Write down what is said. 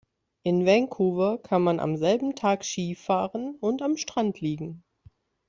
In Vancouver kann man am selben Tag Ski fahren und am Strand liegen.